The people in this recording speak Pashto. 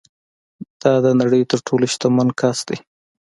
دا د نړۍ تر ټولو شتمن کس ده